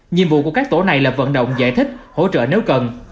nhiệm vụ của các tổ này là vận động giải thích hỗ trợ nếu cần